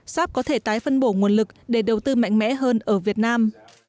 sáp có thể tái phân bổ nguồn lực để đầu tư mạnh mẽ hơn ở việt nam